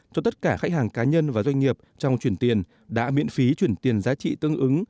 cho tất cả khách hàng cá nhân và doanh nghiệp trong chuyển tiền đã miễn phí chuyển tiền giá trị tương ứng